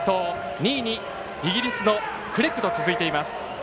２位にイギリスのクレッグと続いています。